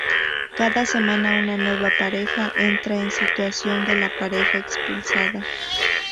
Cada semana una nueva pareja entra en sustitución de la pareja expulsada.